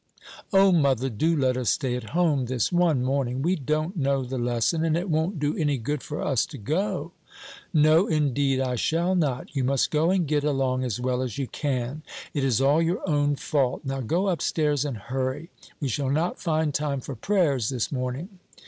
"O mother, do let us stay at home this one morning; we don't know the lesson, and it won't do any good for us to go." "No, indeed, I shall not. You must go and get along as well as you can. It is all your own fault. Now, go up stairs and hurry. We shall not find time for prayers this morning."